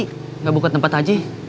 kan capek setiap hari muter muter